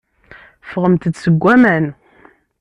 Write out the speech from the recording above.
Ffɣemt-d seg waman.